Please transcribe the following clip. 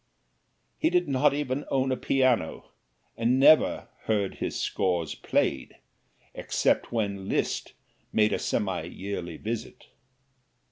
He did not even own a piano, and never heard his scores played, except when Liszt made a semi yearly visit.